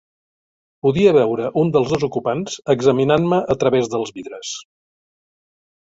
Podia veure un dels dos ocupants examinant-me a través dels vidres.